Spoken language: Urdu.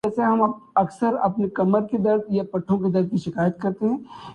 بس کسی شادی بیاہ یا عید کے موقع پر